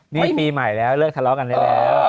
นี่ปีใหม่แล้วเลิกทะเลาะกันได้แล้ว